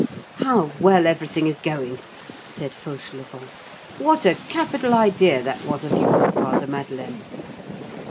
"How well everything is going!" said Fauchelevent; "what a capital idea that was of yours, Father Madeleine!"